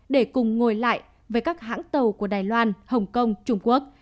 để cùng ngồi lại với các hãng tàu của đài loan hồng kông trung quốc